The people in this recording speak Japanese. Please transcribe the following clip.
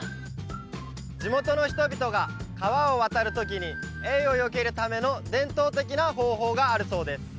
地元の人々が川を渡る時にエイをよけるための伝統的な方法があるそうです